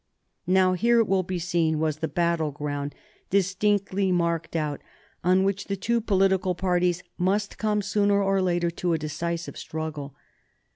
Now here, it will be seen, was the battle ground distinctly marked out on which the two political parties must come, sooner or later, to a decisive struggle.